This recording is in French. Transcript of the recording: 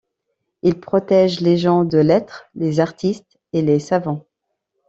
Il protège les gens de lettres, les artistes et les savants.